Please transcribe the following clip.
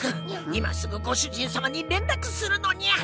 今すぐご主人様に連絡するのにゃ。